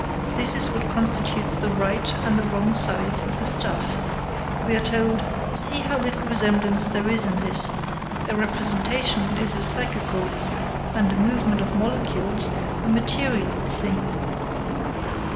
This is what constitutes the right and the wrong sides of the stuff. We are told, "See how little resemblance there is in this; a representation is a psychical, and a movement of molecules a material, thing."